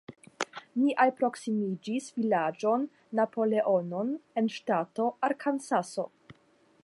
Ni alproksimiĝis vilaĝon Napoleonon en ŝtato Arkansaso.